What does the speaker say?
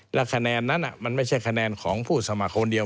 และคะแนนนั้นมันไม่ใช่คะแนนของผู้สมัครคนเดียว